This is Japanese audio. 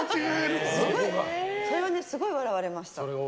それはすごい笑われました。